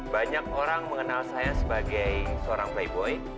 banyak orang mengenal saya sebagai seorang playboy